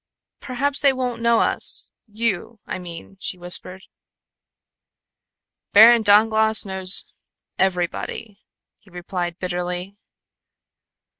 "Perhaps they won't know us you, I mean," she whispered. "Baron Dangloss knows everybody," he replied bitterly.